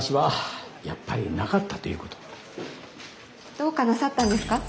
どうかなさったんですか？